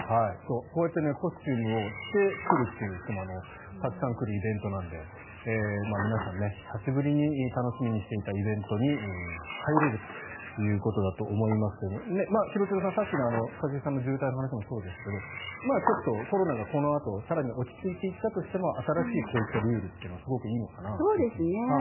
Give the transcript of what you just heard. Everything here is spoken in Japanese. こうやってコスチュームをして来るという人もたくさん来るイベントなので皆さん久しぶりに楽しみにしていたイベントに入れるということだと思いますけれども廣津留さん、さっきの一茂さんの渋滞の話もそうですけどコロナがこのあと更に落ち着いていったとしても新しいこういうルールというのはすごくいいのかなと。